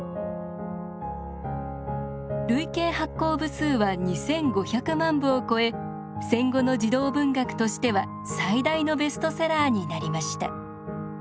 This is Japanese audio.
累計発行部数は２，５００万部を超え戦後の児童文学としては最大のベストセラーになりました。